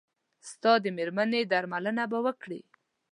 ستا د مېرمنې درملنه به وکړي.